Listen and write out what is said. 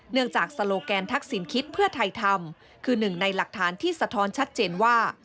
จากโซโลแกนทักษิณคิดเพื่อไทยทำคือหนึ่งในหลักฐานที่สะท้อนชัดเจนว่า